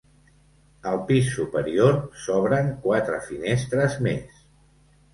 Al pis superior s'obren quatre finestres més.